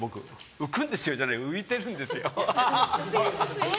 浮くんですよじゃない浮いてるんですよ。